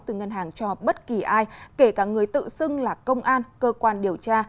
từ ngân hàng cho bất kỳ ai kể cả người tự xưng là công an cơ quan điều tra